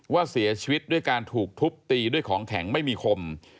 ว่าเสียชีวิตด้วยการถูกทุบตีด้วยของแข็งไม่มีคม